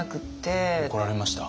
怒られました？